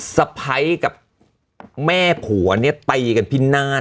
สะพ้ายกับแม่ผัวไตกันพินาน